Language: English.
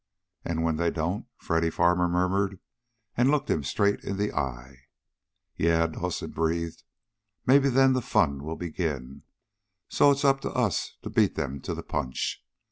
"And when they don't?" Freddy Farmer murmured, and looked him straight in the eye. "Yeah!" Dawson breathed. "Maybe then the fun will begin. So it's up to us to beat them to the punch.